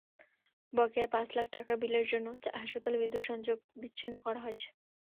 বকেয়া পাঁচ লাখ টাকার বিলের জন্য হাসপাতালের বিদ্যুৎ-সংযোগ বিচ্ছিন্ন করা হয়েছে।